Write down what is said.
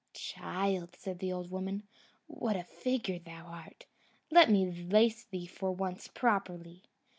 "Child," said the old woman, "what a figure thou art! Let me lace thee for once properly."